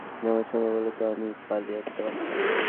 আমার সম্ভব হলে তো, আমিও পালি একটা বাচ্চা।